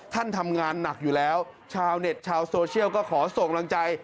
ทำงานหนักอยู่แล้วชาวเน็ตชาวโซเชียลก็ขอส่งกำลังใจ